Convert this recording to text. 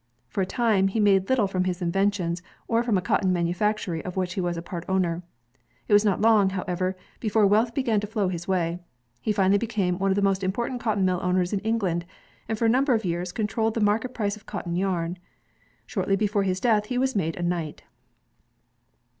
For a time, he made little from his inventions or from a cotton manufactory of which he was part owner. It was not long, however, before wealth began to flow his way. He finally became one of the most important cotton mill owners in England, and for a number of years controlled the market price of cotton yarn. Shortly before his death he was made a knight.